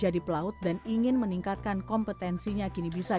tidakahlah setidaknya mengembangkan perusahaan tanpa awal